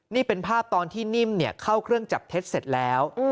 นี่เป็นภาพตอนที่นิ่มเข้าเครื่องจับเท็จเสร็จแล้ว